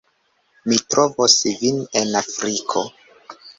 Mi trovos vin en Afriko